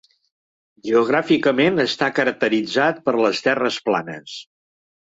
Geogràficament està caracteritzat per les terres planes.